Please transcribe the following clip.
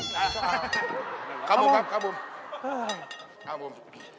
สายโทษง่ายมา